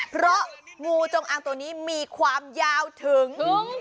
เพราะงูจงอางตัวนี้มีความยาวถึง